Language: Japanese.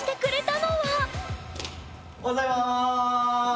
おはようございます！